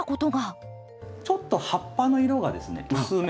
ちょっと葉っぱの色がですね薄め。